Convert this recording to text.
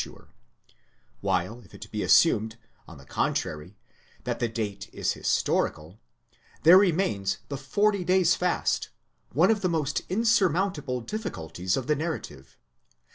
ture ; while if it be assumed, on the contrary, that the date is historical, there remains the forty days' fast, one of the most insurmountable difficulties of the narrative.